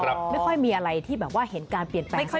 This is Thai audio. ไม่ค่อยมีอะไรที่แบบว่าเห็นการเปลี่ยนแปลง